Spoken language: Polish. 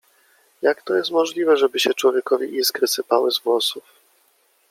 jak to jest możliwe, żeby się człowiekowi iskry sypały z włosów itd.